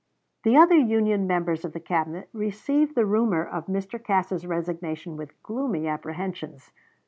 1874. The other Union members of the Cabinet received the rumor of Mr. Cass's resignation with gloomy apprehensions.